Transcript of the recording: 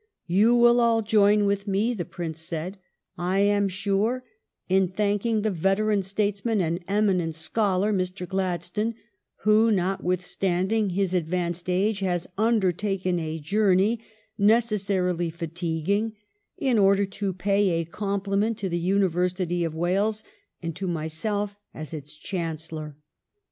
" You will all join with me," the Prince said, " I am sure, in thanking the veteran statesman and eminent scholar, Mr. Gladstone, who, notwithstanding his advanced age, has under taken a journey, necessarily fatiguing, in order to pay a compliment to the University of Wales and to myself as its Chancellor.